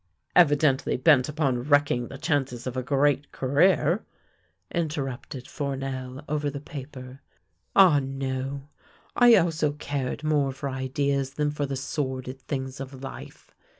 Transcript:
" Evidently bent upon wrecking the chances of a great career," interrupted P'ournel over the paper. " Ah, no. I also cared more for ideas than for the sordid things of life.